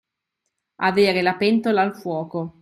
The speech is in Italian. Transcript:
Avere la pentola al fuoco.